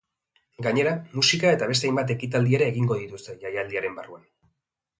Gainera, musika eta beste hainbat ekitaldi ere egingo dituzte jaialdiaren barruan.